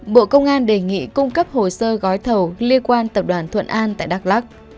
bộ công an đề nghị cung cấp hồ sơ gói thầu liên quan tập đoàn thuận an tại đắk lắc